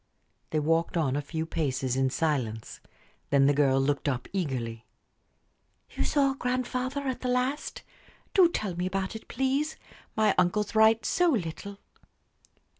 They walked on a few paces in silence. Then the girl looked up eagerly. "You saw grandfather at the last? Do tell me about it, please. My uncles write so little."